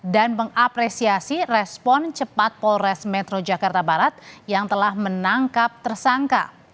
dan mengapresiasi respon cepat polres metro jakarta barat yang telah menangkap tersangka